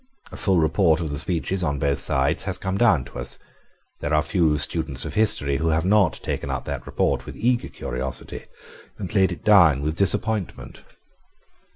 A full report of the speeches on both sides has come down to us. There are few students of history who have not taken up that report with eager curiosity and laid it down with disappointment.